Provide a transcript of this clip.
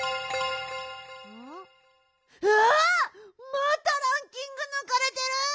またランキングぬかれてる！